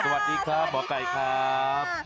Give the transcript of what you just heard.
สวัสดีครับหมอไก่ครับ